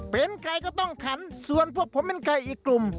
เป็นใครก็ต้องขันส่วนพวกผมเป็นใครอีกกลุ่ม